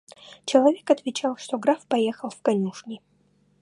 Человек отвечал, что граф поехал в конюшни.